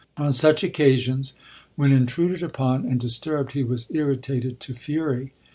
On such occasions, when intruded upon and dis turbed, he was irritated to fury.